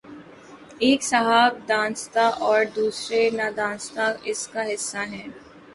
ایک صاحب دانستہ اور دوسرے نادانستہ اس کا حصہ ہیں۔